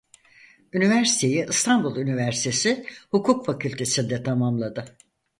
Üniversiteyi İstanbul Üniversitesi Hukuk Fakültesinde tamamladı.